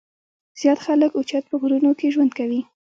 زيات خلک اوچت پۀ غرونو کښې ژوند کوي ـ